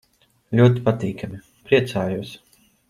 Ļoti patīkami. Priecājos.